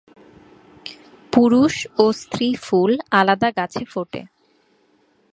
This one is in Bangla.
পুরুষ ও স্ত্রী ফুল আলাদা গাছে ফোটে।